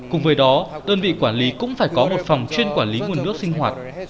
cùng với đó đơn vị quản lý cũng phải có một phòng chuyên quản lý nguồn nước sinh hoạt